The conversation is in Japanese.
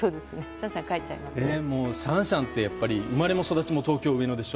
シャンシャンって生まれも育ちも東京・上野でしょ。